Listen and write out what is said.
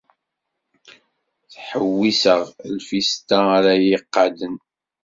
Ttḥewwiseɣ lfista ara y-iqadden.